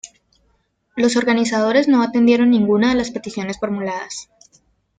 Los organizadores no atendieron ninguna de las peticiones formuladas.